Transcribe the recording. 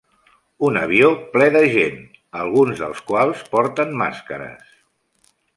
Un avió ple de gent, alguns dels quals porten màscares.